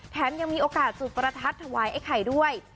ยังมีโอกาสจุดประทัดถวายไอ้ไข่ด้วย